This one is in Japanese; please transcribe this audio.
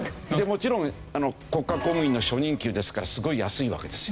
もちろん国家公務員の初任給ですからすごい安いわけですよ。